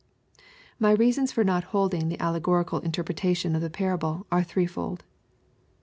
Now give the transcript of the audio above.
My reasons for not holding the allegorical interpretation of the parable are threefold.